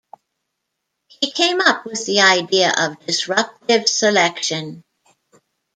He came up with the idea of disruptive selection.